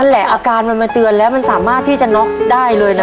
แหละอาการมันมาเตือนแล้วมันสามารถที่จะน็อกได้เลยนะ